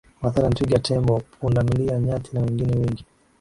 mathalani twiga tembo pundamilia nyati na wengine wengi